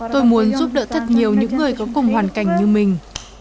tôi muốn giúp đỡ thật nhiều những người có cùng hoàn cảnh như mình